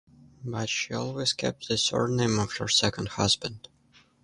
But she always kept the surname of her second husband.